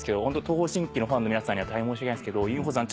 東方神起のファンの皆さんには大変申し訳ないんですけどユンホさん